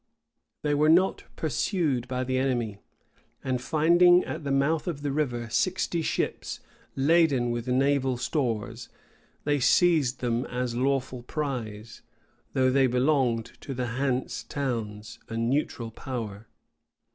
They were not pursued by the enemy, and finding at the mouth of the river sixty ships laden with naval stores, they seized them as lawful prize; though they belonged to the Hanse Towns, a neutral power.